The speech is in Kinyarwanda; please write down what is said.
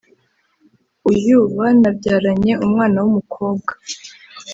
uyu banabyaranye umwana w’umukobwa